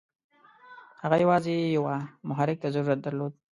هغه یوازې یوه محرک ته ضرورت درلود.